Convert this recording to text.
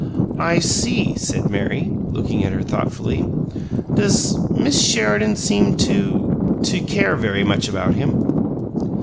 "I see," said Mary, looking at her thoughtfully, "Does Miss Sheridan seem to to care very much about him?"